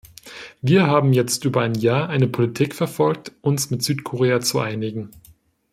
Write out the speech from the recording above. Wir haben jetzt über ein Jahr eine Politik verfolgt, uns mit Südkorea zu einigen.